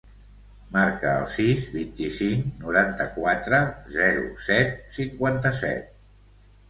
Marca el sis, vint-i-cinc, noranta-quatre, zero, set, cinquanta-set.